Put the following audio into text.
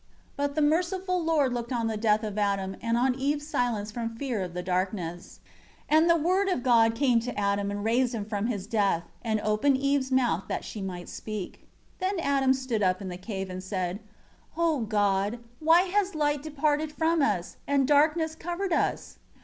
5 But the merciful Lord looked on the death of Adam, and on Eve's silence from fear of the darkness. 6 And the Word of God came to Adam and raised him from his death, and opened Eve's mouth that she might speak. 7 Then Adam stood up in the cave and said, "O God, why has light departed from us, and darkness covered us?